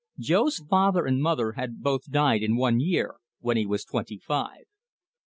Jo's father and mother had both died in one year when he was twenty five.